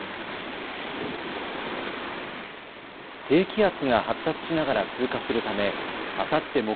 低気圧が発達しながら通過するためあさって